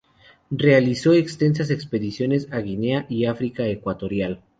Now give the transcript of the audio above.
Realizó extensas expediciones a Guinea y África Ecuatorial.